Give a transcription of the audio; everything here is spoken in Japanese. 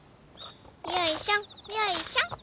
よいしょよいしょ。